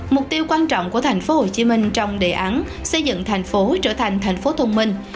mục tiêu quan trọng của tp hcm trong đề án xây dựng thành phố trở thành thành phố thông minh